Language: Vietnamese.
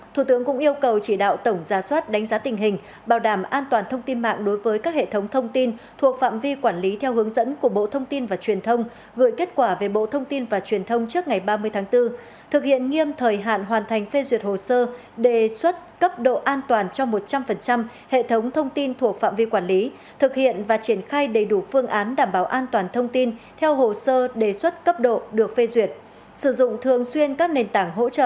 thủ tướng cũng yêu cầu chỉ đạo tổng gia soát đánh giá tình hình bảo đảm an toàn thông tin mạng đối với các hệ thống thông tin thuộc phạm vi quản lý theo hướng dẫn của bộ thông tin và truyền thông gửi kết quả về bộ thông tin và truyền thông trước ngày ba mươi tháng bốn thực hiện nghiêm thời hạn hoàn thành phê duyệt hồ sơ đề xuất cấp độ an toàn cho một trăm linh hệ thống thông tin thuộc phạm vi quản lý thực hiện và triển khai đầy đủ phương án đảm bảo an toàn thông tin theo hồ sơ đề xuất cấp độ được phê duyệt sử dụng thường xuyên các nền tảng hỗ trợ